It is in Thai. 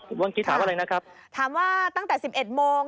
ผมเมื่อกี้ถามอะไรนะครับถามว่าตั้งแต่สิบเอ็ดโมง